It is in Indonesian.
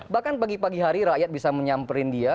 bahkan pagi pagi hari rakyat bisa menyamperin dia